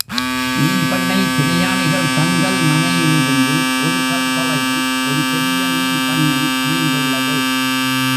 மீன் பண்ணை பிரயாணிகள் தங்கல் மனையிலிருந்து ஒருகல் தொலைவில் ஒரு பெரிய மீன் பண்ணை அமைந்துள்ளது.